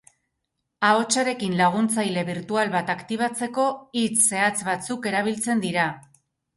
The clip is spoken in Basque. Ahotsarekin laguntzaile birtual bat aktibatzeko, hitz zehatz batzuk erabiltzen dira.